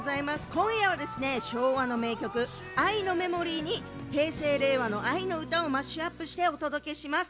今夜は昭和の名曲「愛のメモリー」に平成、令和の「愛のうた」をマッシュアップしてお届けします。